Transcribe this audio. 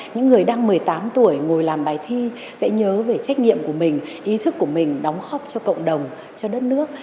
những người đang một mươi tám tuổi ngồi làm bài thi sẽ nhớ về trách nhiệm của mình ý thức của mình đóng khóc cho cộng đồng cho đất nước